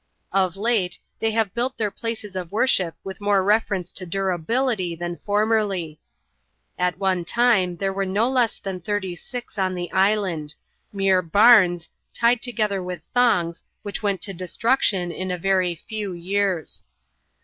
Of late, they have built their places of worship with more reference to durablity than formerly. At one time there were no less than thirty six on the island — mere barns, tied together with thongs, which went to destruction in a very few years.